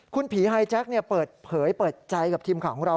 คุณผีไฮแจ๊คเปิดเผยเปิดใจกับทีมข่าวของเรา